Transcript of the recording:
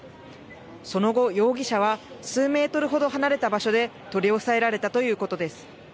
その後、容疑者は数メートルほど離れた場所で取り押さえられたということです。